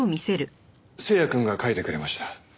星也くんが描いてくれました。